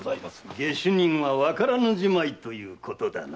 下手人はわからぬじまいということだな？